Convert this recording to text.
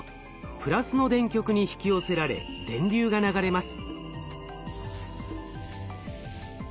プラスの電極に引き寄せられ電流が流れます。